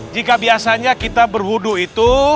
jika biasanya kita berhudu itu